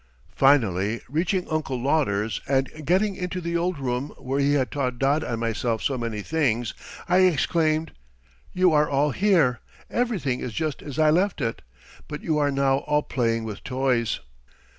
Finally, reaching Uncle Lauder's and getting into the old room where he had taught Dod and myself so many things, I exclaimed: "You are all here; everything is just as I left it, but you are now all playing with toys."